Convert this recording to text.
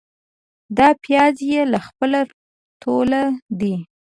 دا پیاز يې له خپله توله دي.